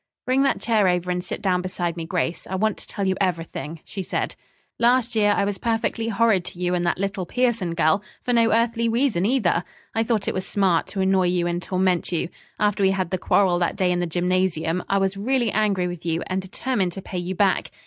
"Bring that chair over and sit down beside me, Grace. I want to tell you everything," she said. "Last year I was perfectly horrid to you and that little Pierson girl, for no earthly reason either, I thought it was smart to annoy you and torment you. After we had the quarrel that day in the gymnasium, I was really angry with you, and determined to pay you back.